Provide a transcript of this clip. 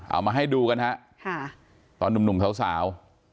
เอามาให้ดูกันฮะตอนหนุ่มสาว